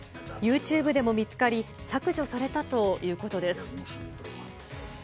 ユーチューブでも見つかり、削除されたということです。